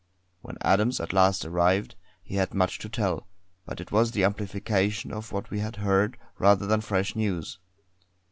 When Adams at last arrived he had much to tell; but it was the amplification of what we had heard, rather than fresh news.